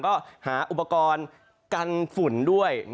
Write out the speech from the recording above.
ก็หาอุปกรณ์กันฝุ่นด้วย